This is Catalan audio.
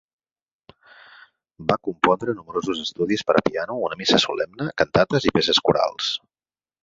Va compondre nombrosos estudis per a piano, una missa solemne, cantates i peces corals.